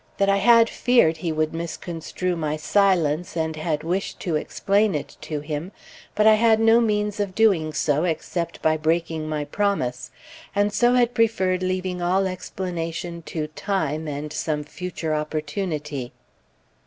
That I had feared he would misconstrue my silence, and had wished to explain it to him, but I had no means of doing so except by breaking my promise; and so had preferred leaving all explanation to time, and some future opportunity."